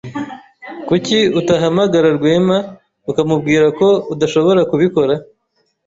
Kuki utahamagara Rwema ukamubwira ko udashobora kubikora?